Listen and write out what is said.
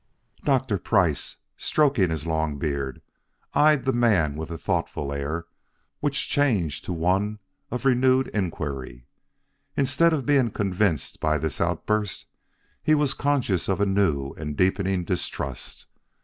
Dr. Price, stroking his long beard, eyed the man with a thoughtful air which changed to one of renewed inquiry. Instead of being convinced by this outburst, he was conscious of a new and deepening distrust.